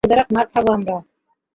বেধরক মার খাব আমরা।